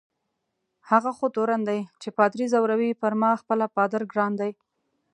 هغه خو تورن دی چي پادري ځوروي، پر ما خپله پادر ګران دی.